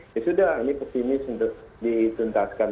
ya sudah ini pesimis untuk dituntaskan